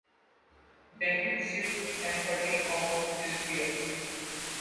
Jenkin's ship and cutting off his Ear.